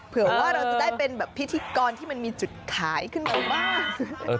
เผื่อว่าเราจะได้เป็นแบบพิธีกรที่มันมีจุดขายขึ้นมาบ้าง